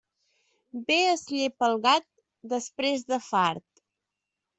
Bé es llepa el gat després de fart.